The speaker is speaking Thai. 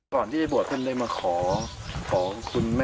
ก่อนที่บั๋วท่านได้มาขอของคุณแม่